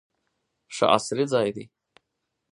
ښه عصري ځای دی.